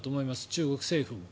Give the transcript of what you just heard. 中国政府も。